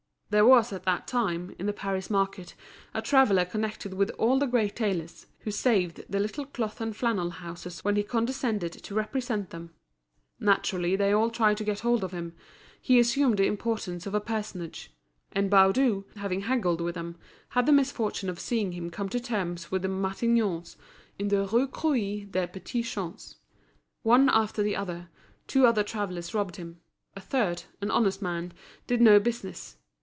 There was at that time, in the Paris market, a traveller connected with all the great tailors, who saved the little cloth and flannel houses when he condescended to represent them. Naturally they all tried to get hold of him; he assumed the importance of a personage; and Baudu, having haggled with him, had the misfortune of seeing him come to terms with the Matignons, in the Rue Croix des Petits Champs. One after the other, two other travellers robbed him; a third, an honest man, did no business.